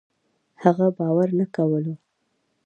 هغه باور نه کولو